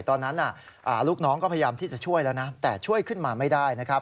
ตอนนั้นลูกน้องก็พยายามที่จะช่วยแล้วนะแต่ช่วยขึ้นมาไม่ได้นะครับ